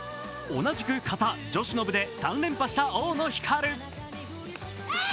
同じく形女子の部で３連覇した大野ひかる。